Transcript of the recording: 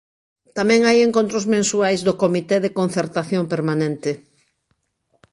Tamén hai encontros mensuais do Comité de Concertación Permanente.